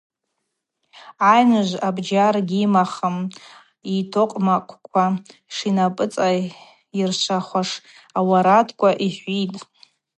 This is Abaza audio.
Айныжв абджьар гьйымахым, йтокъвмакъвква шинапӏыцӏайыршвахуаш ауарадква йхӏвитӏ.